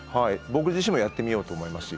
僕自身もやってみようと思いますし。